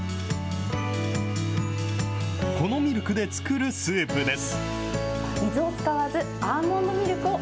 このミルクで作るスープです。